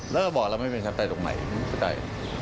แล้วก็บอกว่าไม่เป็นชัดใจตรงไหนไม่เป็นชัดใจ